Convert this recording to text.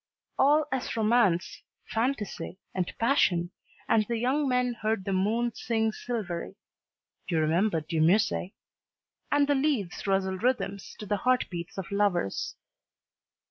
All was romance, fantasy, and passion, and the young men heard the moon sing silvery you remember De Musset! and the leaves rustle rhythms to the heart beats of lovers.